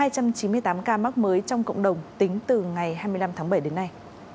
hai trăm chín mươi tám ca mắc mới trong cộng đồng tính từ ngày hai mươi năm tháng bảy đến nay